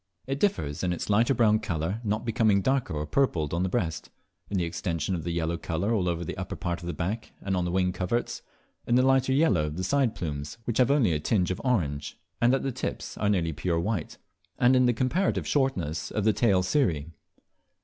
It differs in its lighter brown colour, not becoming darker or purpled on the breast; in the extension of the yellow colour all over the upper part of the back and on the wing coverts; in the lighter yellow of the side plumes, which have only a tinge of orange, and at the tips are nearly pure white; and in the comparative shortness of the tail cirrhi.